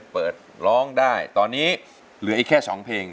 เปิดร้องได้ตอนนี้เหลืออีกแค่๒เพลง